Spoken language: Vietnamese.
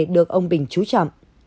được ông bình trú trọng